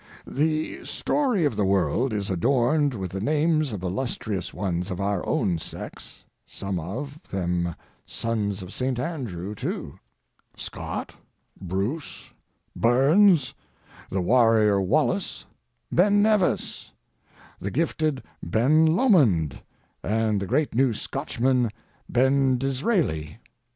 The story of the world is adorned with the names of illustrious ones of our own sex—some of them sons of St. Andrew, too—Scott, Bruce, Burns, the warrior Wallace, Ben Nevis—the gifted Ben Lomond, and the great new Scotchman, Ben Disraeli.